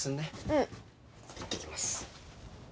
うん。いってきます。